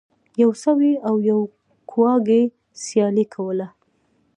یو سوی او یو کواګې سیالي کوله.